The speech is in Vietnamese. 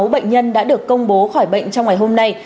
sáu bệnh nhân đã được công bố khỏi bệnh trong ngày hôm nay